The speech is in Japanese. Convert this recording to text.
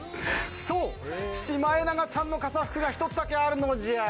そう、シマエナガちゃんの傘福が１つだけあるのじゃ！